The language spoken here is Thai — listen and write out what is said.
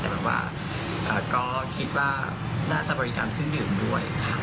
แต่แบบว่าก็คิดว่าน่าจะบริการเครื่องดื่มด้วย